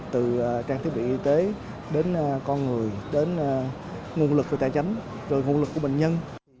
từ trang thiết bị y tế đến con người đến nguồn lực về tài chánh rồi nguồn lực của bệnh nhân